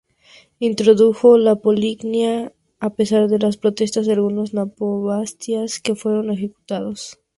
Introdujo la poliginia a pesar de las protestas de algunos anabaptistas, que fueron ejecutados.